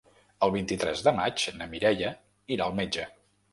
El vint-i-tres de maig na Mireia irà al metge.